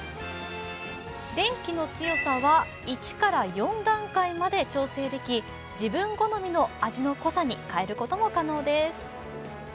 電気の強さは１４段階まで調整でき自分好みの味の濃さに変えることが可能です。